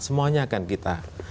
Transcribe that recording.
semuanya akan kita